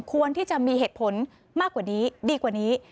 ควรที่จะมีเหตุผลมากกว่านี้ดีกว่านี้